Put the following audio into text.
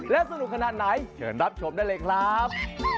และสนุกขนาดไหนเชิญรับชมได้เลยครับ